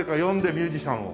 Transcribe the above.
ミュージシャンを。